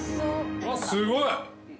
すごい！